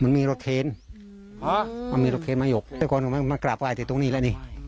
มันมีรถเคนอ๋อมันมีรถเคนมาหยกแต่ก่อนออกมากราบไห้แต่ตรงนี้แล้วนี่